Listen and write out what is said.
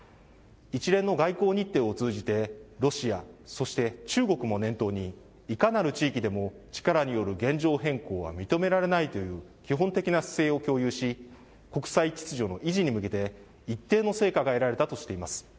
一連の外交日程を通じて、ロシア、そして中国も念頭に、いかなる地域でも、力による現状変更は認められないという基本的な姿勢を共有し、国際秩序の維持に向けて、一定の成果が得られたとしています。